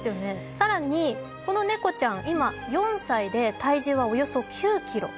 更に、この猫ちゃん、今、４歳で体重はおよそ９ｋｇ。